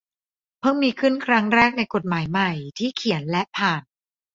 เพิ่งมีขึ้นครั้งแรกในกฎหมายใหม่ ที่เขียนและผ่าน